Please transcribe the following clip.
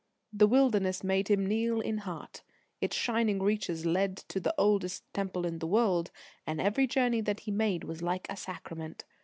The wilderness made him kneel in heart. Its shining reaches led to the oldest Temple in the world, and every journey that he made was like a sacrament.